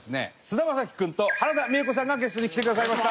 菅田将暉君と原田美枝子さんがゲストに来てくださいました。